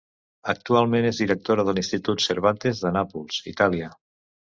Actualment és directora de l'Institut Cervantes de Nàpols, Itàlia.